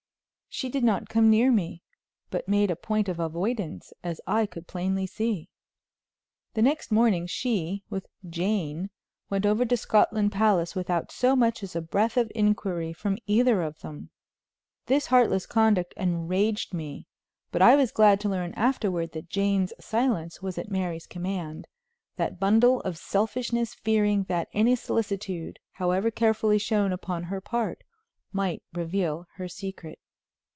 She did not come near me, but made a point of avoidance, as I could plainly see. The next morning she, with Jane, went over to Scotland Palace without so much as a breath of inquiry from either of them. This heartless conduct enraged me; but I was glad to learn afterward that Jane's silence was at Mary's command that bundle of selfishness fearing that any solicitude, however carefully shown upon her part, might reveal her secret.